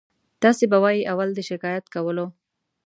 تاسې به وایئ اول دې شکایت کولو.